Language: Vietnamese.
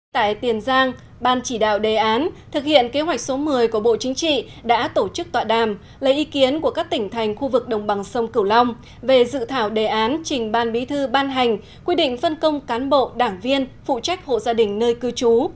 tại tiền giang ban chỉ đạo đề án thực hiện kế hoạch số một mươi của bộ chính trị đã tổ chức tọa đàm lấy ý kiến của các tỉnh thành khu vực đồng bằng sông cửu long về dự thảo đề án trình ban bí thư ban hành quy định phân công cán bộ đảng viên phụ trách hộ gia đình nơi cư trú